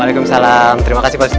waalaikumsalam terima kasih pak ustadz